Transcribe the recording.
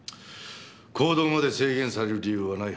行動まで制限される理由はないはずですが。